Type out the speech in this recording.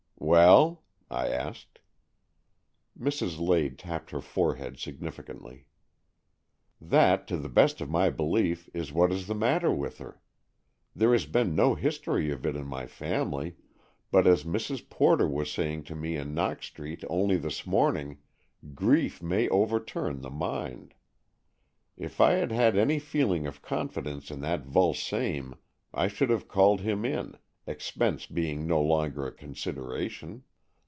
"Well?" I asked. Mrs. Lade tapped her forehead signifi cantly. " That, to the best of my belief, is what is the matter with her. There has been no history of it in my family, but, as Mrs. Porter was saying to me in Knox Street only this morning, grief may overturn the mind. If I had had any feeling of confidence in that Vulsame, I should have called him in, expense being no longer a consideration.